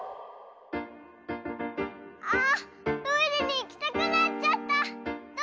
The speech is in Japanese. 「あトイレにいきたくなっちゃったあ。